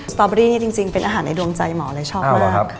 ตอเบอรี่นี่จริงเป็นอาหารในดวงใจหมอเลยชอบมาก